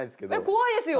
怖いですよ。